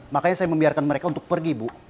makanya saya membiarkan mereka untuk pergi bu